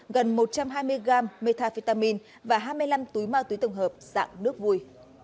gần một trăm hai mươi g metafitamine và hai mươi năm túi ma túy tổng hợp dạng nước vui